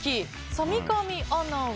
三上アナは。